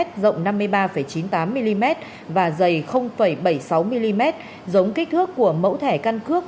rộng năm mươi ba chín mươi tám mm và dày bảy mươi sáu mm giống kích thước của mẫu thẻ căn cước